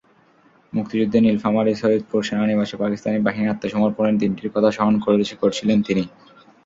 মুক্তিযুদ্ধে নীলফামারীর সৈয়দপুর সেনানিবাসে পাকিস্তানি বাহিনীর আত্মসমর্পণের দিনটির কথা স্মরণ করছিলেন তিনি।